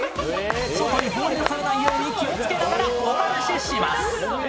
外に放り出されないように気をつけながらお試しします。